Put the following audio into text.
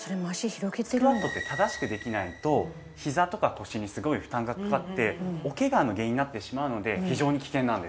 スクワットって正しくできないとひざとか腰にすごい負担がかかっておケガの原因になってしまうので非常に危険なんです。